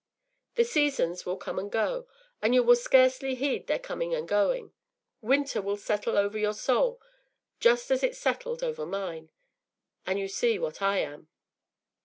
The seasons will come and go, and you will scarcely heed their coming and going: winter will settle over your soul, just as it settled over mine. And you see what I am.